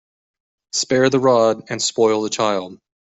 Spare the rod and spoil the child.